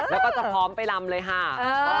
แล้วก็จะพร้อมไปลำเลยค่ะ